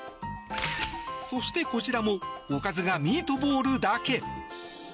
そして、こちらもおかずがミートボールだけ。